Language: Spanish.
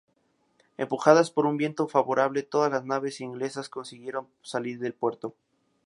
Empujadas por un viento favorable, todas las naves inglesas consiguieron salir del puerto.